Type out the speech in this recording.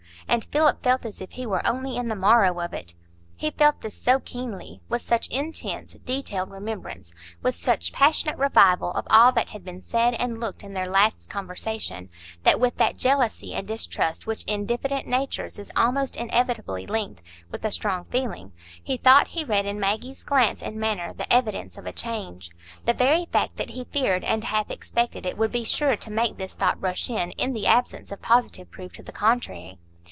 And Philip felt as if he were only in the morrow of it. He felt this so keenly,—with such intense, detailed remembrance, with such passionate revival of all that had been said and looked in their last conversation,—that with that jealousy and distrust which in diffident natures is almost inevitably linked with a strong feeling, he thought he read in Maggie's glance and manner the evidence of a change. The very fact that he feared and half expected it would be sure to make this thought rush in, in the absence of positive proof to the contrary.